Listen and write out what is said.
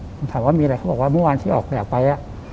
ผมถามว่ามีอะไรเขาบอกว่าเมื่อวานที่ออกแบบไป